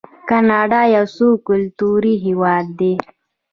کاناډا یو څو کلتوری هیواد دی.